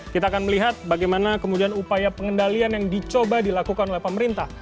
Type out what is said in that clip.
kita akan melihat bagaimana kemudian upaya pengendalian yang dicoba dilakukan oleh pemerintah